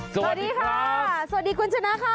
สวัสดีค่ะสวัสดีคุณชนะค่ะ